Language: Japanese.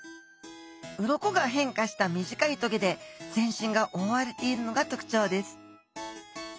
鱗が変化した短い棘で全身が覆われているのが特徴です。